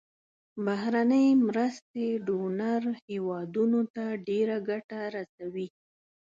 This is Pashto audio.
بهرنۍ مرستې ډونر هیوادونو ته ډیره ګټه رسوي.